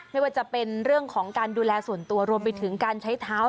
ไม่ว่าจะเป็นเรื่องของการดูแลส่วนตัวรวมไปถึงการใช้เท้า